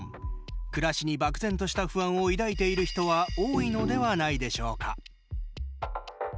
暮らしに漠然とした不安を抱いている人は多いのではないでしょうか？